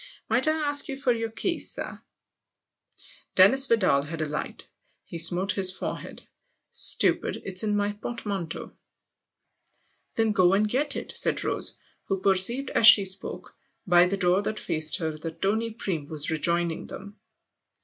" Might I ask you for your keys, sir ?" Dennis Vidal had a light he smote his forehead. " Stupid it's in my portmanteau !"" Then go and get it !" said Rose, who perceived as she spoke, by the door that faced her, that Tony Bream was rejoining them.